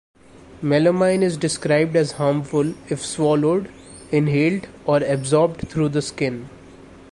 Melamine is described as Harmful if swallowed, inhaled or absorbed through the skin.